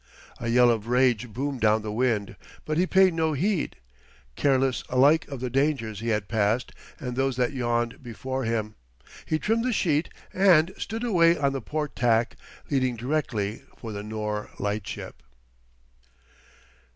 A yell of rage boomed down the wind, but he paid no heed. Careless alike of the dangers he had passed and those that yawned before him, he trimmed the sheet and stood away on the port tack, heading directly for the Nore Lightship.